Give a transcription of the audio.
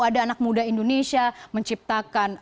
ada anak muda indonesia menciptakan